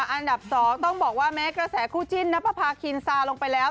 อันดับ๒ต้องบอกว่าแม้กระแสคู่จิ้นนับประพาคินซาลงไปแล้ว